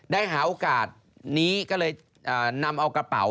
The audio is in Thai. ได้หาโอกาสนี้ก็เลยนำเอากระเป๋า